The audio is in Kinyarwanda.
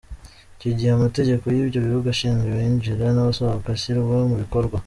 Icyo gihe amategeko y’ibyo bihugu ashinzwe abinjira n’abasohoka ashyirwa mu bikorwa.